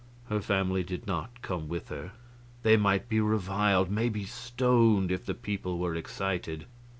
Her family did not come with her. They might be reviled, maybe stoned, if the people were excited.